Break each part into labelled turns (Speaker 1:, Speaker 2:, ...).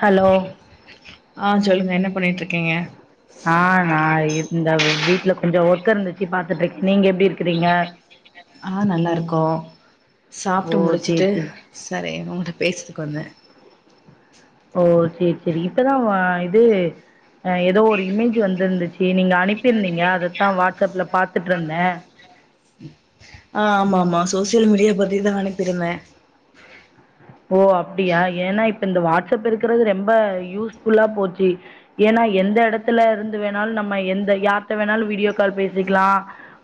Speaker 1: Hello
Speaker 2: ஆ சொல்லுங்க என்ன பண்ணிட்டு இருக்கீங்க
Speaker 1: ஆ நா இந்தா இது வீட்ல கொஞ்சம் ஒர்க் இருந்துச்சு பாத்துட்ருக்க நீங்க எப்டி இருக்குறீங்க
Speaker 2: ஆ நல்லா இருக்கோ
Speaker 1: ஓ
Speaker 2: சாப்ட்டு
Speaker 1: சேரி
Speaker 2: முடிச்சுட்டு
Speaker 1: சேரி
Speaker 2: சரின்னு உன்ட்ட பேசுத்துக்கு வந்த
Speaker 1: ஓ ஓகே ஓகே இப்பதா வ இது அ ஏதோ ஒரு இமேஜ் வந்திருந்துச்சு நீங்க அனுப்பியிருந்தீங்க அதத்தா வாட்ஸ்ஆப்ல பாத்துட்ருந்த
Speaker 2: ஆ ஆமா ஆமா சோசியல் மீடியா பத்திதா அனுப்பிருந்த
Speaker 1: ஓ அப்டியா ஏன்னா இப்ப இந்த வாட்ஸ்அப் இருக்கிறது ரொம்ப யூஸ்ஃபுல்லா போச்சு ஏன்னா எந்த எடத்துல இருந்து வேணாலும் நம்ம எந்த யார்ட்ட வேணாலும் வீடியோ கால் பேசிக்கலா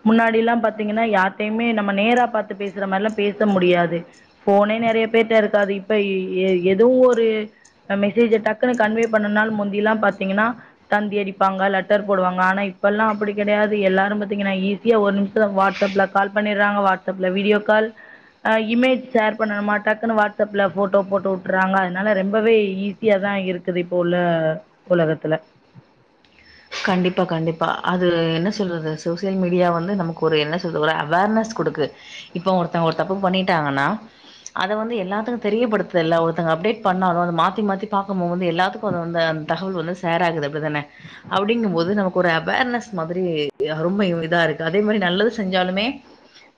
Speaker 1: முன்னாடில்லா பாத்தீங்கன்னா யார்ட்டையுமே நம்ம நேராப் பாத்து பேசுற மாரில்லா பேச முடியாது ஃபோனே நெறைய பேர்ட்ட இருக்காது இப்ப எ ஏதோ ஒரு மெசேஜ டக்குன்னு கன்வே பண்ணனுன்னாலு முந்தில்லா பாத்தீங்கன்னா தந்தி அடிப்பாங்க லெட்டர் போடுவாங்க ஆனா இப்பெல்லா அப்புடி கெடையாது எல்லாரு பத்திங்கன்னா ஈ சியா ஒரு நிமிஷத்ல் வாட்ஸ்அப்ல கால் பண்ணிட்றாங்க வாட்ஸ்அப்ல வீடியோ கால் அ இமேஜ் ஷேர் பண்ணனுமா டக்குன்னு வாட்ஸ் ஸ்அப்ல ஃபோட்டோ போட்டு வுட்டுறாங்க அதுனால ரொம்பவே ஈஸியா தா இருக்குது இப்போ உள்ள உலகத்துல
Speaker 2: கண்டிப்பா கண்டிப்பா அது என்ன சொல்றது சோசியல் மீடியா வந்து நமக்கு ஒரு என்ன சொல்றது ஒரு அவார்னஸ் குடுக்குத் இப்ப ஒருத்தங்க ஒருத் தப்பு பண்ணிட்டாங்கன்னா அத வந்து எல்லாத்துக்கு தெரியப்படுத்துல்ல ஒருத்தங்க அப்டேட் பண்ணாலு அத மாத்தி மாத்தி பாக்கும் போது எல்லாத்துக்கு அது வந் தகவல் வந்து ஷேர் ஆகுது அப்டிதானே அப்டிங்கும்போது நமக்கு ஒரு அவேர்னஸ் மாதிரி அ ரொம்பயு இதா இருக்கு அதே மாரி நல்லது செஞ்சாலுமே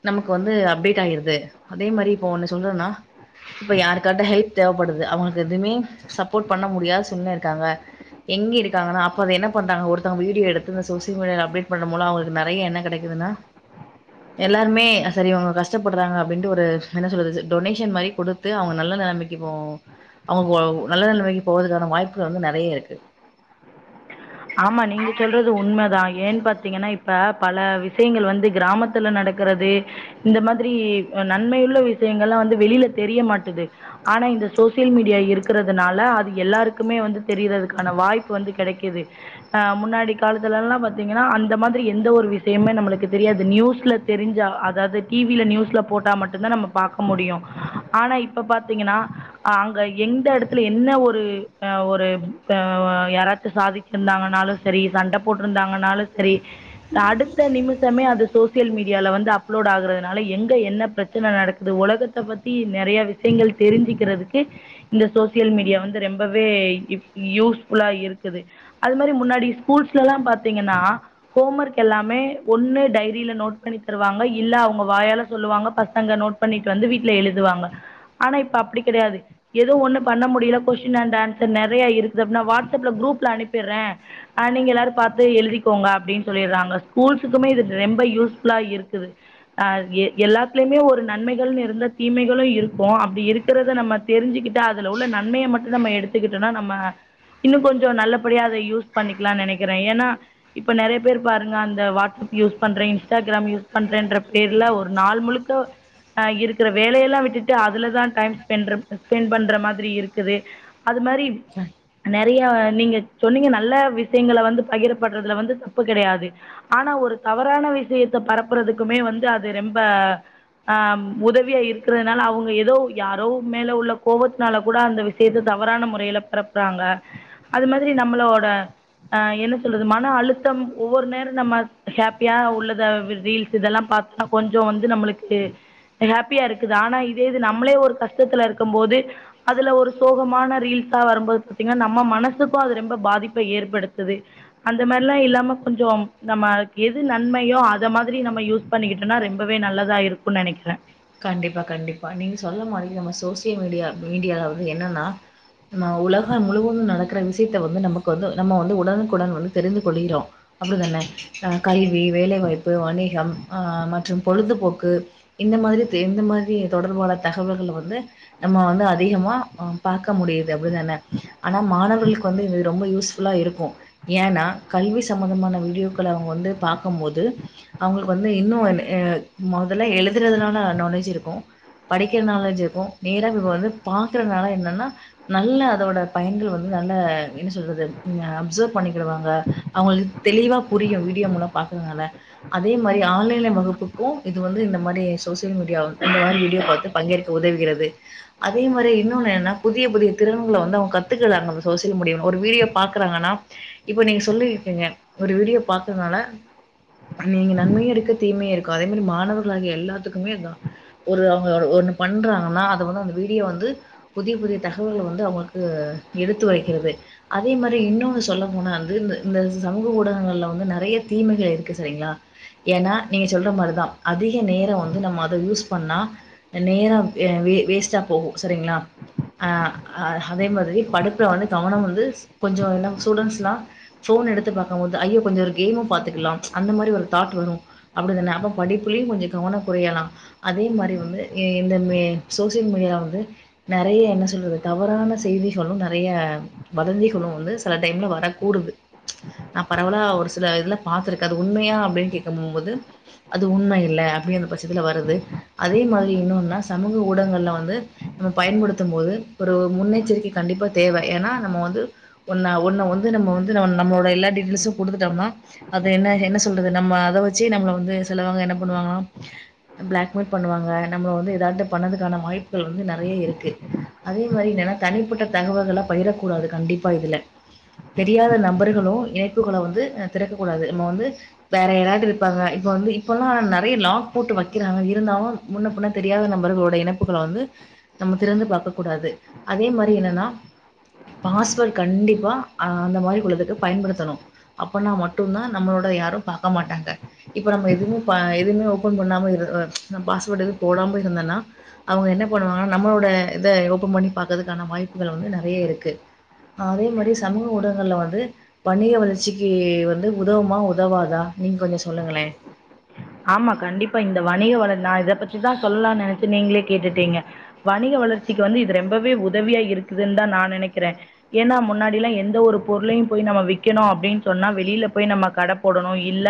Speaker 2: நமக்கு வந்து அப்டேட் ஆயிருது அதே மாரி இப்போ ஒன்னு சொல்றன்னா இப்ப யாருக்காது ஹெல்ப் தேவப்படுது அவுங்களுக் எதுமே சப்போர்ட் பண்ண முடியாத சூழ்நில இருக்காங்க எங்க இருக்காங்கன்னா அப்ப அது என்ன பண்றாங்க ஒருத்தங்க வீடியோ எடுத்து இந்த சோசியல் மீடியால அப்டேட் பண்ணு போல அவ்ங்களுக்கு நெறைய என்ன கெடைக்குதுன்னா எல்லாருமே அ செரி இவுங்க கஷ்டப்படுறாங்க அப்டின்ட்டு ஒரு என்ன சொல்றது டொனேஷன் மாரி குடுத் து அவுங்க நல்ல நெலமைக்கு போ அவுங்க நல்ல நெலமைக்கு போறதுகான வாய்ப்புக வந்து நெறைய இருக்கு
Speaker 1: ஆமா நீங்க சொல்றது உண்ம தா ஏன் பாத்திங்கன்னா இப்ப பல விஷயங்கள் வந்து கிராமத் துல நடக்கிறது இந்த மாதுரி நன்மையுள்ள விஷயங்கள்லா வந்து வெளில தெரிய மாட்டுது ஆனா இந்த சோசியல் மீடியா இருக்குறதுனால அது எல்லாருக்குமே வந்து தெரியுறதுக்கான வாய்ப்பு வந்து கெடைக்குது அ முன்னாடி காலத்துல எல்லா பாத்திங்கன்னா அந்த மாதிரி எந்த ஒரு விஷயம்மே நம்ளுக்கு தெரியாது நியூஸ்ல தெரிஞ்சா அதாவது டி வி ல நியூஸ்ல போட்டா மட்டுந்தா நம்ம பாக்க முடியு ஆனா இப்ப பாத்திங்கன்னா அ அங்க எந்த எடத்துல என்ன ஒரு அ ஒரு ஆ யாராச்சு சாதி ச்சுருந்தாங்கன்னாலு செரி சண்ட போட்ருந்தாங்கன்னாலு செரி அடுத்த நிமுஷமே அது சோசியல் மீடியால வந்து அப்லோட் ஆகுறதுனால எங்க என்ன பிரச்சன நடக்குது ஒலகத் தப் பத்தி நெறைய விஷயங்கள் தெருஞ்சுக்கிறதுக்கு இந்த சோசியல் மீடியா வந்து ரொம்பவே யூஸ்ஃபுல்லா இருக்குது அது மாரி முன்னாடி ஸ்கூல்ஸ்லலா பாத்திங்கன்னா ஹோம் ஒர்க் எல்லாமே ஒன்னு டைரில நோட் பண்ணி தருவாங்க இல்ல அவுங்க வாயால சொல்லுவாங்க பசங்க நோட் பண்ணிட்டு வந்து வீட்ல எழுதுவாங்க ஆனா இப்ப அப்டி கிடையாது எதுவு ஒன்னு பண்ண முடியல கொஸ்டின் அண்ட் ஆன்சர் நெறைய இருக்குது அப்டின்னா வாட்ஸ்அப்ல குரூப்ல அனுப்பிற்றே அ நீங்க எல்லாரு பாத்து எழுதிக்கோங்க அப்டின் சொல்லிட்றாங்க ஸ்கூல்ஸுக்குமே இது ரொம்ப யூஸ்ஃபுல்லா இருக்குது ஆ எல்லாத்துலயுமே ஒரு நன்மைகள்னு இருந்தா தீமைகளு இருக்கு அப்டி இருக்கிறத நம்ம தெருஞ்சுக்கிட்டா அதுல உள்ள நன்மைய மட்டு நம்ம எடுத்துக்கிட்டோனா நம்ம இன்னு கொஞ்சொ நல்ல படியா அத யூஸ் பண்ணிக்லான் நெனைக்கிறே ஏன்னா இப்ப நெறைய பேர் பாருங்க அந்த வாட்ஸ்அப் யூஸ் பண்றே இன்ஸ்டாகிராம் யூஸ் பண்றே என்ற பேர்ல ஒரு நாள் முழு இந்த அ இருக்குற வேலையெல்லா விட்டுட்டு அதுலதா டைம் ஸ்பென்ற ஸ்பெண்ட் பண்ற மாதிரி இருக்குது அது மாரி நெறையா நீங்க சொன்னிங்க நல்ல விஷயங்கள வந்து பகிரப்பட்றதுல வந்து தப்பு கெடையாது ஆனா ஒரு தவறான விஷயத்த பரப்புறதுக்குமே வந்து அது ரொம்ப ஆ உதவியா இருக்றத்னால அவுங்க எதோ யாரோ மேல உள்ள கோவொத்னால கூட அந்த விசயத்த தவறான முறையில பரப்புறாங்க அது மாதிரி நம்மளோட என்ன சொல்றது மன அழுத்தம் ஒவ்வொரு நேர நம்ம ஹாப்பியா உள்ளத ரீல்ஸ் இதெல்லா பாத் தா கொஞ்சொ வந்து நம்மளுக்கு ஹாப்பியாருக்குது ஆனா இதே இது நம்மளே ஒரு கஷ்டத்துல இருக்கும் போது அதுல ஒரு சோகமான ரீல்ஸா வரும்போது பாத்தீங்கன்னா நம்ம மனசுக் கு அது ரொம்ப பாதிப்ப ஏற்படுத்துது அந்த மாரிலா இல்லாம கொஞ்சோ நம்ம எது நன்மையோ அத மாதிரி நம்ம யூஸ் பண்ணிக்கிட்டேன்னா ரெம்பவே நல்லதா இருக்குன் நெனைக்கிறே
Speaker 2: கண்டிப்பா கண்டிப்பா நீங்க சொல்ல மாதிரி நம்ம சோசியல் மீடியா மீடியாலாவது என்னன்னா அ உலகம் முழுவதும் நடக்குற விஷ்யத்த வந்து நமக்கு வந்து நம்ம வந்து உடனுக்குடன் வந்து தெரிந்து கொள்கிறோ அப்படிதான ஆ கல்வி வேலைவாய்ப்பு வணிகம் ஆ மற்றும் பொழுதுபோக்கு இந்த மாதிரி தெரிந்த மாதிரி தொடர்பான தகவல்கள வந்து நம்ம வந்து அதிகமா அ பாக்க முடியுது அப்படிதான ஆனா மாணவர்களுக்கு வந்து இது ரொம்ப யூஸ்ஃபுல்லா இருக்கு ஏன்னா கல்வி சம்பந்தமான வீடியோக்கள அவங்க வந்து பாக்கும்போது அவுங்களுக்கு வந்து இன்னு அ மொதல்ல எழுதுறதுனால நாலேஜ் இருக்கு படிக்கிற நாலேஜ் இருக்கு நேரா இப்போ வந்து பாக்கறதுனால என்னன்னா நல்ல அதோட பயன்கள் வந்து நல்ல என்ன சொல்றது ம் ய அப்சர்வ் பண்ணிக்கிடுவாங்க அவங்களுக்கு தெளிவா புரியு வீடியோ மூலம் பாக்குங்கள அதே மாரி ஆன்லைன் வகுப்புக்கு இது வந்து இந்த மாதிரி சோ சியல் மீடியாவ இந்த மாரி வீடியோ பாத்து பங்கேற்க உதவுகிறது அதே மாரி இன்னொன்னு என்னன்னா புதிய புதிய திறன்கள வந்து அவங்க கத்துக்குறாங்க சோசியல் மீடியாவ ஒரு வீடியோ பாக்குறாங்கன்னா இப்ப நீங்க சொல்லிருக்கீங்க ஒரு வீடியோ பாக்கதுனால அங்க இங்க நன்மையு இருக்கு தீமையு இருக்கு அதே மாதிரி மாணவர்களாகிய எல்லாத்துக்குமே அதா ஒரு அவுங்க ஒன்னு பண்றாங்கன்னா அத வந்து அவுங்க வீடியோ வந்து புதிய புதிய தகவல்கள வந்து அவங்களுக்கு எடுத்து வைக்கிறது அதே மாரி இன்னொன்னு சொல்ல போனா வந்து இந்த இந்த சமூக ஊடகங்கள்ல வந்து நறைய தீமைகள் இருக்கு செரிங்ளா ஏன்னா நீங்க சொல்ற மாரிதா அதிக நேரோ வந்து நம்ம அத யூஸ் பண்ணா நேரா வே வேஸ்டா போகு சரிங்ளா அ அதே மாதிரி படுப்புல வந்து கவனம் வந்து கொஞ்சோ எல்ல ஸ்டூடெண்ட்ஸ்லா ஃபோன் எடுத்து பாக்கும்போது ஐயோ கொஞ்சோ ஒரு கேம பாத்துக்கலா அந்த மாதிரி ஒரு தட் வரு அப்புடித்தானே அப்ப படிப்பிலயு கொஞ்சோ கவனோ குறையலா அதே மாரி வந்து எ இந்த மே சோசியல் மீடியால வந்து நறைய என்ன சொல்றது தவறான செய்திகளு நறைய வதந்திகளு வந்து சில டைம்ல வரக்க கூடுது நா பரவலா ஒரு சில இதுல பா்த்துருக்க அது உண்மையா அப்டின்னு கேட்க போம்போது அது உண்ம இல்ல அப்படிங்கற பட்சத்துல வருது அதே மாதிரி இன்னுன்னா சமூக ஊடகங்ள்ல வந்து நம்ம பயன்படுத்தும் போது ஒரு முன்னெச்சரிக்கை கண்டிப்பா தேவ ஏன்னா நம்ம வந்து ஒன்னா ஒன்ன வந்து நம்ம வந்து ந நம்மளோட எல்லா டீட்டெயல்ஸு குடுத்துடோம்னா கொடுத்துட்டோம்னா அத என்ன என்ன சொல்றது நம்ம அத வச்சு நம்மள வந்து செலவாங்க என்ன பண்ணுவாங்கனா பிளாக்மெயில் பண்ணுவாங்க நம்மள வந்து எதாவது பண்ணதுக்கான வாய்ப்புகள் வந்து நறைய இருக்கு அதே மாதிரி என்னன்னா தனிப்பட்ட தகவல்கள பயிரக் கூடாது கண்டிப்பா இதுல தெரியாத நபர்களு இணைப்புகளு வந்து அ திறக்கக் கூடாது நம்ம வந்து வேற யரட்டருப்பாங்க இப்ப வந்து இப்போல்லா நறைய லாக் போட்டு வ க்கிறாங்க இருந்தாலு முன்ன புன்ன தெரியாத நம்பர்களோட இணைப்புகள வந்து நம்ம திறந்து பாக்க கூடாது அதே மாதிரி என்னன்னா பாஸ்வேர்ட் கண்டிப்பா அ அந்த மாரி உள்ளதுக்கு பயன்படுத்தணு அப்பனா மட்டும்தா நம்மளோட யாரு பாக்க மாட்டாங்க இப்ப நம்ம எதுமே ப எதுமே ஓபன் பண்ணாம இரு பாஸ்வேர்ட் எது போடாம இருந்தன்னா அவங்க என்ன பண்ணுவாங்கன்னா நம்மளோட இத ஓப்பன் பண்ணி பாக்கறதுக்கான வாய்ப்புகள் வந்து நெறைய இருக்கு அதே மாரி சமூக ஊடகங்கள்ல வந்து வணிக வளர்ச்சிக்கு வந்து உதவுமா உதவாதா நீங் கொஞ்ச சொல்லுங்களே
Speaker 1: ஆமா கண்டிப்பா இந்த வணிக வள நா இத பத்திதா சொல்லான் நெனச்சே நீங்ளே கேட்டுட்டீங்க வணிக வளர்ச்சிக்கு வந்து இது ரெம்பவே உதவியா இருக்குதுன் தா நா நெனக்கிற ஏனா முன்னாடில்லா எந்த ஒரு பொருளையு போய் நம்ம விக்கணு அப்டின் சொன்னா வெளில போய் நம்ம கட போடணு இல்ல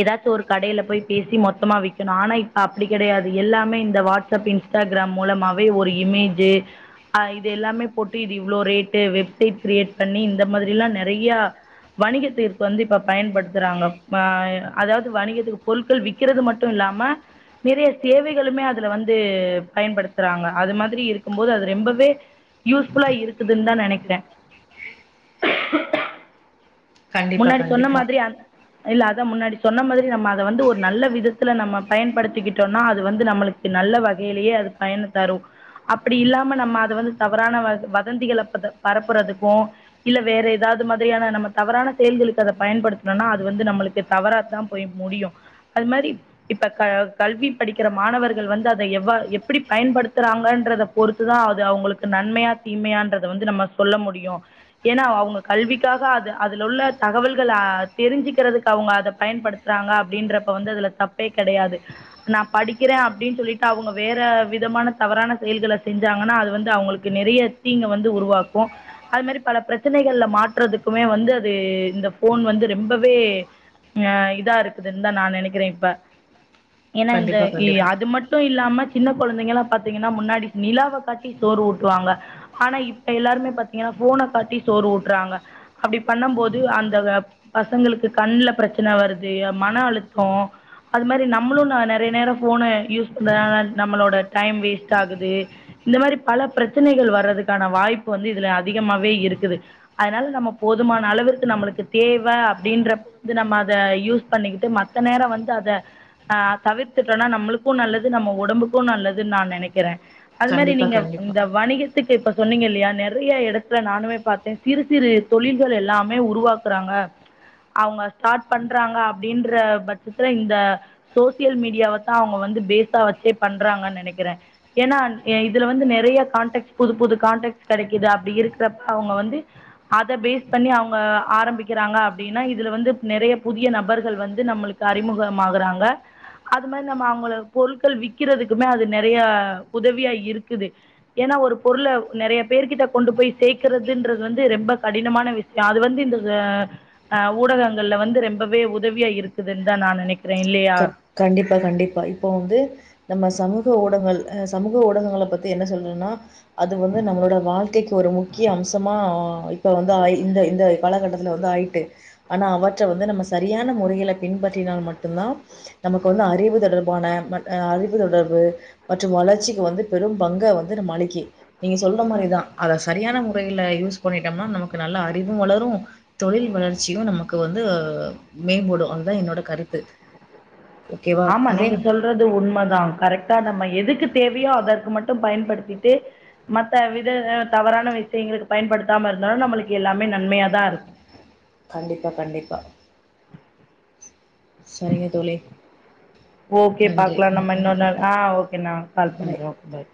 Speaker 1: ஏதா ஒரு கடைல போயி பேசி மொத்தமா விக்கணு ஆனா இப்ப அப்டி கெடையாது எல்லாமே இந்த வாட்ஸ்அப் இன்ஸ் டாகிராம் மூலமாவே ஒரு இமேஜு அ இது எல்லாமே போட்டு இது இவ்ளோ ரேட்டு வெப்சைட் கிரியேட் பண்ணி இந்த மாதிரிலா நெறையா வணிக தீர்ப்பு வந்து இப்ப பயன்படுத்துறாங்க அ அதா து வணிகதுக்கு பொருள்கள் வக்கிறது மட்டு இல்லாம நெறைய தேவைகளுமே அதுல வந்து பயன்படுத்துறாங்க அது மாதிரி இருக்கும்போது அது ரெம்பவே யூஸ்ஃபுல்லா இருக்குதுன் தா நெனக்கிற
Speaker 2: கண்டிப்பா,
Speaker 1: முன்னாடி சொன்ன
Speaker 2: கண்டிப்பா.
Speaker 1: மாதிரி அந் இல்ல அதா முன்னாடி சொன்ன மாதிரி நம்ம அத வந்து ஒரு நல்ல விதத்துல நம்ம பயன்படுத்திக்கிட் போன்னா அது வந்து நம்ளுக்கு நல்ல வகையியே அது பயன் தரு அப்டி இல்லாம நம்ம அத வந்து தவறான வத வதந்திகள பரப்புறதுக்கு இல்ல வேற ஏதாவது மாதிரியான நம்ம தவறான செயல்களுக்கு அத பயன்படுத்துணோனா அது வந்து நம்மளுக்கு தவறாதா போய் முடியு அது மாரி இப்ப க கல்வி படிக்கிற மாணவர்கள் வந்து அத எவ்வா எப்டி பயன்படுத்துறாங்கன்றத பொறுத்துதா அது அவுங்களுக்கு நன்மையா தீமையான்றத வந்து நம்ம சொல்ல முடியு ஏனா அவுங்க கல்விக்காக அது அதுல உள்ள தகவல்கள்ல தெரிஞ்சுக்கிறதுக்கு அவுங்க அத பயன்படுத்துறாங்க அப்டின்றப்ப வந்து அதுல தப்பே கெடயாது நா படிக்கிற அப்டின் சொல்லிட்டு அவுங்க வேற விதமான தவறான செயல்கள செஞ்சாங்கன்னா அது வந்து அவங்களுக் நெறைய தீங்க வந்து உருவாக்கு அது மாரி பல பிரச்சனைகள்ல மாட்றதுக்குமே வந்து அது இந்த ஃபோன் வந்து ரெம்பவே அ இதா இருக்குதுன் தா நா நெனக்கிற இப்ப ஏனா இந்த
Speaker 2: கண்டிப்பா,
Speaker 1: இ
Speaker 2: கண்டிப்பா.
Speaker 1: அது மட் டு இல்லாம சின்ன கொழந்தைங்கல்லா பாத்தீங்கன்னா முன்னாடி நிலாவ காட்டி சோறு ஊட்டுவாங்க ஆனா இப்ப எல்லாருமே பாத்தீங்கன்னா ஃபோன காட்டி சோறு வுட்டுறாங்க அப்டி பண்ணம் போ து அந்த பசங்களுக்கு கண்ல ப்ரெச்சன வருது மன அழுத்தோ அது மாரி நம்ளு நா நெறைய நேர ஃபோன யூஸ் பண்றதுன நம்மளோட டைம் வேஸ்ட்டாகுது இந்த மாரி பல பிரெச்சனைகள் வர்றதுக்கான வாய்ப்பு வந்து இதுல அதிகமாவே இருக்குது அதனால நம்ம போதுமான அளவிற் து நம்ளுக்கு தேவ அப்டின்றப்ப வந்து நம்ம அத யூஸ் பண்ணிக்கிட்டு மத்த நேரோ வந்து அத ஆ தவிர்த்துட்டோன்னா நம்ளுக்கு நல்லது நம்ம ஒடம்புக்கு நல்லதுன் நா நெனக்கிற அது மாரி
Speaker 2: கண்டிப்பா,
Speaker 1: நீங்க
Speaker 2: கண்டிப்பா.
Speaker 1: இந்த வணிக க்கு இப்ப சொன்னீங்க இல்லையா நெறைய எடத்துல நானுமே பாத்தே சிறு சிறு தொழில்கள் எல்லா மே உருவாக்றாங்க அவுங்க ஸ்டார்ட் பண்றாங்க அப்டின்ற பட்சத்துல இந்த சோசியல் மீடியாவத்தா அவுங்க வந்து பேஸா வச்சே பண்றாங்கன் நெனக்கிற ஏனா எ இதுல வந்து நெறைய கான்டக்ட்ஸ் புது புது கான்டாக்ட்ஸ் கெடைக்குது அப்டி இருக்கிறப்ப அவுங்க வந்து அத பேஸ் பண்ணி அவுங் க ஆரம்பிக்கிறாங்க அப்டின்னா இதுல வந்து நெறைய புதிய நபர்கள் வந்து நம்ளுக்கு அறிமுகமாகுறாங்க அது மாரி நம்ம அவுங்கள பொருள்கள் விக்குறதுக்குமே அது நெறைய உதவியா இருக்குது ஏனா ஒரு பொருள நெறையா பேர் கிட்ட கொண்டு போய் சேக்குறதுன்றது வந்து ரெம்ப கடினமான வி யோ அது வந்து இந்த அ அ ஊடகங்கள்ல வந்து ரெம்பவே உதவியா இருக்குதுன்தா நா நெனைக் கிறே இல்லயா
Speaker 2: க கண்டிப்பா கண்டிப்பா இப்போ வந்து நம்ம சமூக ஊடங்கள் அ சமூக ஊடகங்கள பத்தி என்ன சொல்றேன்னா அது வந்து நம்மளோட வாழ்க்கைக்கு ஒரு முக்கிய அம்சமா இப்ப வந்து ஆயு இந்த இந்த காலகட்டத்துல வந்து ஆயிட்டு ஆனா அவற்ற வந்து நம்ம சரியான முறையில பின்பற்றினா மட்டுந்தா நமக்கு வந்து அறிவு தொடர்பான மற் அ அறிவு தொடர்பு மற்றும் வளர்ச்சிக்கு வந்து பெரும் பங்க வந்து நம்ம அளிக்கு நீங்க சொல்ற மாரிதா அத சரியான முறையில யூஸ் பண்ணிட்டம்னா நமக்கு நல்ல அறிவு வளரூன் தொழில் வளர்ச்சியு நமக்கு வந்து மேம்படு அதுதா என்னோட கருத்து ஓகேவா
Speaker 1: ஆமா
Speaker 2: அதே
Speaker 1: நீங்க சொல் றது உண்மதா கரெக்டா நம்ம எதுக்கு தேவையோ அதற்கு மட்டும் பயன்படுத்திட்டு மத்த வித தவறான விஷயங்களுக்கு பயன்படுத்தாம இருந்தாலு நம்மளுக்கு எல்லாமே நன்மையாதா இருக்
Speaker 2: கண்டிப்பா கண்டிப்பா சரிங்க தோழி
Speaker 1: ஓகே
Speaker 2: நன்றி
Speaker 1: பாக்கலா
Speaker 2: ம்,
Speaker 1: நம்ம இன்னொரு
Speaker 2: ம்,
Speaker 1: நாள்
Speaker 2: ப-
Speaker 1: ஆ ஓகே நா கால்
Speaker 2: பாய்
Speaker 1: பண்றே ஓகே பாய்